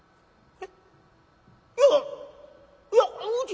「えっ！？